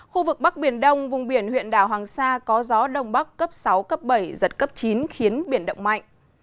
khu vực bắc biển đông vùng biển huyện đảo hoàng sa có gió đông bắc cấp sáu cấp bảy giật cấp chín khiến biển động mạnh